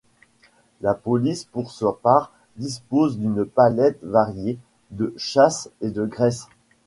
La police pour sa part dispose d’une palette variée de chasse et de graisse.